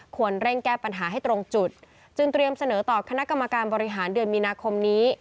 ควรเร่งแก้ปัญหาให้ตรงจุดจึงเตรียมเสนอต่อคณะกรรมการบริหารเดือนมีนาคมนี้